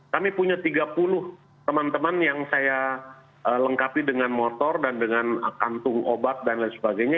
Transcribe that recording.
kami punya tiga puluh teman teman yang saya lengkapi dengan motor dan dengan kantung obat dan lain sebagainya